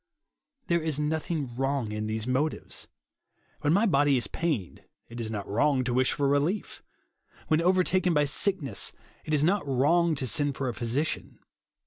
There is nothing Avrong in these motives. When my body is pained, it is not wrong to wish for relief When overtaken by sick ness, it is not wrong to send for a physi cian.